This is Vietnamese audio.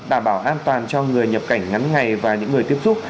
đảm bảo an toàn cho người nhập cảnh ngắn ngày và những người tiếp xúc